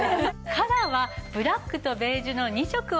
カラーはブラックとベージュの２色をご用意しています。